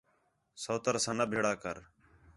سوتر ساں نہ بِھڑا کر